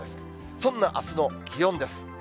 そんなあすの気温です。